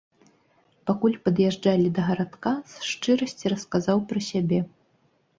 Пакуль пад'язджалі да гарадка, з шчырасці расказаў пра сябе.